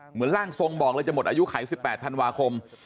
เหมือนร่างทรงบอกเลยจะหมดอายุขาย๑๘ธันวาคม